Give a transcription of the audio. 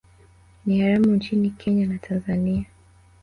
Ni haramu nchini Kenya na Tanzania